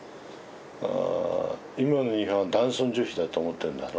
今の日本は男尊女卑だと思ってるんだろ？